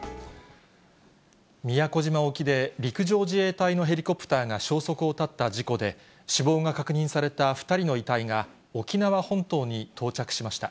宮古島沖で、陸上自衛隊のヘリコプターが消息を絶った事故で、死亡が確認された２人の遺体が、沖縄本島に到着しました。